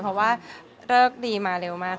เพราะว่าเลิกดีมาเร็วมาก